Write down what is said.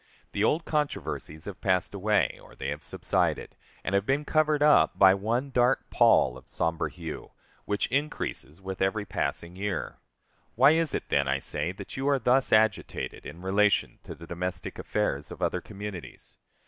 The old controversies have passed away, or they have subsided, and have been covered up by one dark pall of somber hue, which increases with every passing year. Why is it, then, I say, that you are thus agitated in relation to the domestic affairs of other communities?